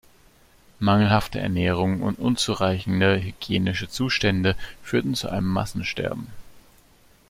Mangelhafte Ernährung und unzureichende hygienische Zustände führten zu einem Massensterben.